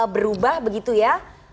berubah begitu ya